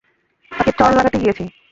তাকে চড় লাগাতে গিয়েছি।